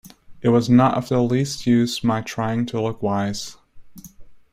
It was not of the least use my trying to look wise.